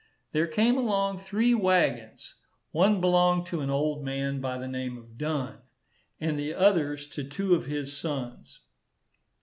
There came along three waggons. One belonged to an old man by the name of Dunn, and the others to two of his sons.